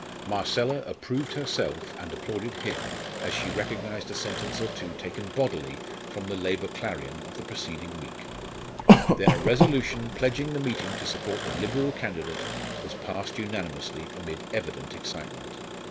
Marcella approved herself and applauded him, as she recognised a sentence or two taken bodily from the Labour Clarion of the preceding week. Then a resolution pledging the meeting to support the Liberal candidate was passed unanimously amid evident excitement.